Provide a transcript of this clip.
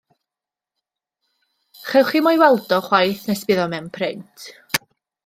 Chewch chi mo'i weld o chwaith nes bydd o mewn print.